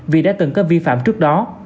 vì đã từng có vi phạm trước đó